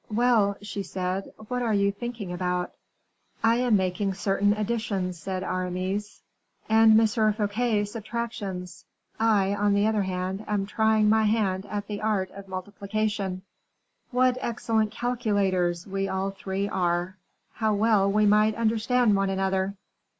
"Well," she said, "what are you thinking about?" "I am making certain additions," said Aramis. "And M. Fouquet subtractions. I, on the other hand, am trying my hand at the art of multiplication. What excellent calculators we all three are! How well we might understand one another!"